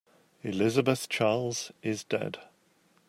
Elizabeth Charles is dead.